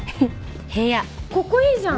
ここいいじゃん。